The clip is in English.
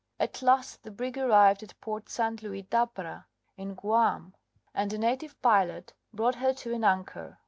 At last the brig arrived at Port San Luis d'Apra, in Guam, and a native pilot brought her to an anchor.